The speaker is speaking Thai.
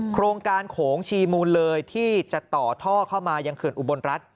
โครงการโขงชีมูลเลยที่จะต่อท่อเข้ามายังเขื่อนอุบลรัฐ